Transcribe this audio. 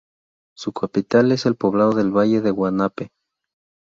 Su capital es el poblado del Valle de Guanape.